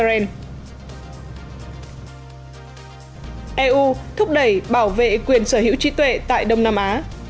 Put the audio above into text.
eu thúc đẩy bảo vệ quyền sở hữu trí tuệ tại đông nam á